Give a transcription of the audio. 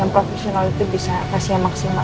yang profesional itu bisa kasih yang maksimal